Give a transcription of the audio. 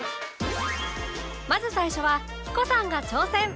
まず最初はヒコさんが挑戦